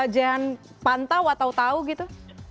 jan pantau atau tahu gitu